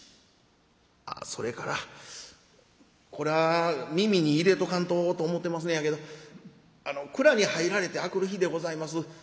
ああそれからこれは耳に入れとかんとと思てますねやけど蔵に入られて明くる日でございます